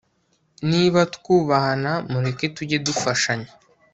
Niba twubahana mureke tujye dufashanya